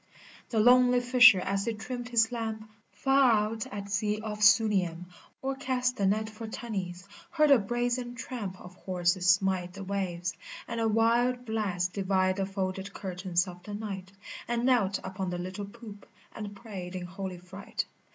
The lonely fisher as he trimmed his lamp Far out at sea off Sunium, or cast The net for tunnies, heard a brazen tramp Of horses smite the waves, and a wild blast Divide the folded curtains of the night, And knelt upon the little poop, and prayed in holy fright.